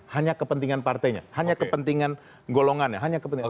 hanya kepentingan partainya hanya kepentingan golongannya hanya kepentingan partai